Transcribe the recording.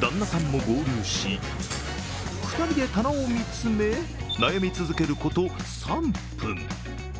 旦那さんも合流し、２人で棚を見つめ悩み続けること３分。